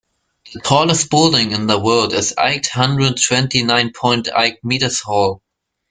The tallest building in the world is eight hundred twenty nine point eight meters tall.